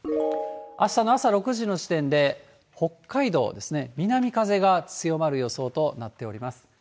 あしたの朝６時の時点で、北海道ですね、南風が強まる予想となっております。